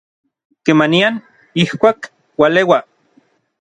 kemanian, ijkuak, ualeua